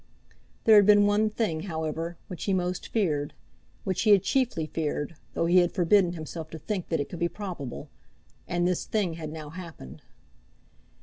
There had been one thing, however, which he most feared; which he had chiefly feared, though he had forbidden himself to think that it could be probable, and this thing had now happened.